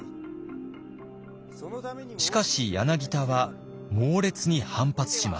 しかし柳田は猛烈に反発します。